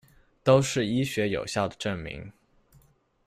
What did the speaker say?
都是医学有效的证明。